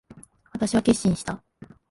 私は決心した。